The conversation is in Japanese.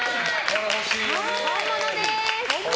本物です！